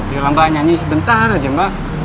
ya mbak nyanyi sebentar aja mbak